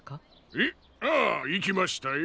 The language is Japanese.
えっ？ああいきましたよ。